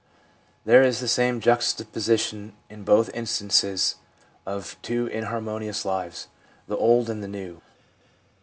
There is the same juxtaposition in both instances of two inharmonious lives, the old and the new.